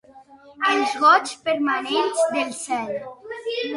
Els goigs permanents del cel.